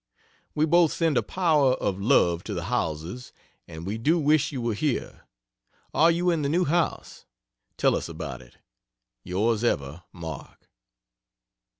We both send a power of love to the Howellses, and we do wish you were here. Are you in the new house? Tell us about it. Yrs Ever MARK.